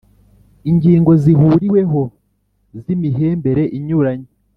Ingingo zihuriweho zimihembere inyuranye